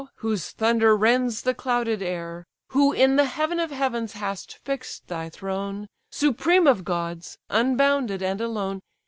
whose thunder rends the clouded air, Who in the heaven of heavens hast fixed thy throne, Supreme of gods! unbounded, and alone!